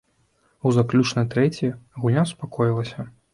У заключнай трэці гульня супакоілася.